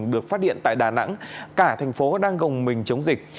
được phát điện tại đà nẵng cả thành phố đang gồng mình chống dịch